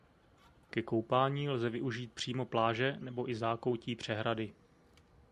Ke koupání lze využít přímo pláže nebo i zákoutí přehrady.